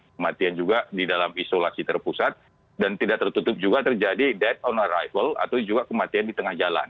kematian juga di dalam isolasi terpusat dan tidak tertutup juga terjadi dead on arrival atau juga kematian di tengah jalan